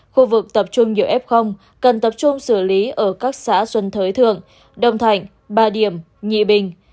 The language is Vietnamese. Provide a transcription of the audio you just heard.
khu vực tập trung nhiều f cần tập trung xử lý ở các xã xuân thới thượng đông thạnh ba điểm nhị bình